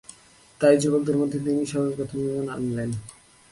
তাই যুবকদের মধ্যে তিনিই সর্ব প্রথম ঈমান আনলেন।